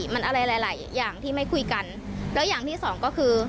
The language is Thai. มันอะไรหลายหลายอย่างที่ไม่คุยกันแล้วอย่างที่สองก็คือ